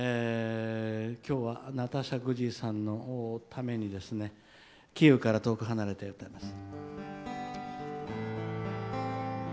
今日はナターシャ・グジーさんのために「キーウから遠く離れて」を歌います。